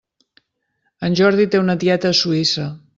En Jordi té una tieta a Suïssa.